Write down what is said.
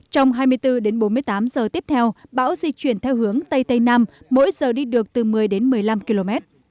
trong hai mươi bốn đến bốn mươi tám giờ tiếp theo bão di chuyển theo hướng tây tây nam mỗi giờ đi được từ một mươi đến một mươi năm km